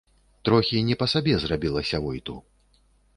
Трохі не па сабе зрабілася войту.